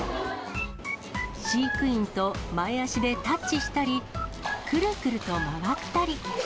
飼育員と前足でタッチしたり、くるくると回ったり。